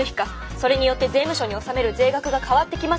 それによって税務署に納める税額が変わってきますので。